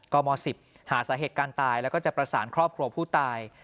ม๑๐หาสาเหตุการณ์ตายแล้วก็จะประสานครอบครัวผู้ตาย